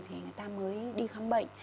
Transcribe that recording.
thì người ta mới đi khám bệnh